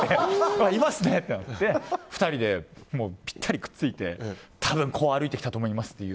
いますねってなって２人でぴったりくっついて、多分歩いてきたと思います。